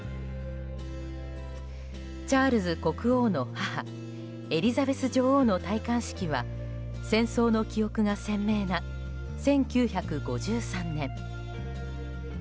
チャールズ国王の母エリザベス女王の戴冠式は戦争の記憶が鮮明な１９５３年。